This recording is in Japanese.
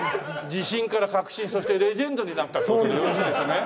自信から確信そしてレジェンドになったという事でよろしいですね。